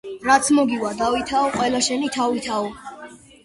რაც მოგივა დავითაო, ყველა შენი თავითაო.